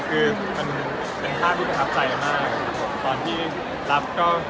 คือมันเป็นภาพที่ประทับใจมากตอนที่รับก็